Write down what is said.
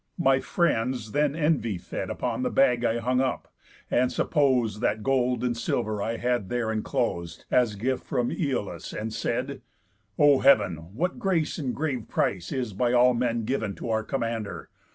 My friends then Envy fed About the bag I hung up, and suppos'd That gold and silver I had there enclos'd, As gift from Æolus, and said: 'O heav'n! What grace and grave price is by all men giv'n To our commander!